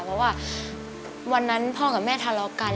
เพราะว่าวันนั้นพ่อกับแม่ทะเลาะกัน